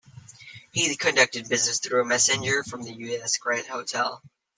He conducted business through a messenger from the U. S. Grant Hotel.